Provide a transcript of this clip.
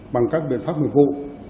bằng các biện pháp mở vụ